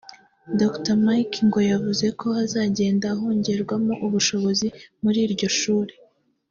Dr Mike ngo yavuze ko hazagenda hongerwamo ubushobozi muri iryo shuri